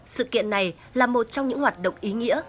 sự kiện này là một trong những hoạt động ý nghĩa